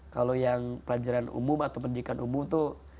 kalau yang pelajaran umum atau pendidikan umum itu